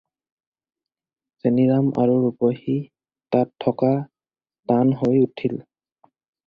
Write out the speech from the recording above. চেনিৰাম আৰু ৰূপহী তাত থকা টান হৈ উঠিল।